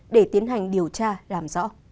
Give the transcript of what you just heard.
để tiến hành điều tra làm rõ